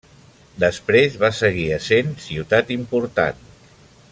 Després va seguir essent ciutat important.